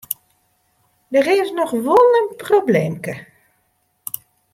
Der is noch wol in probleemke.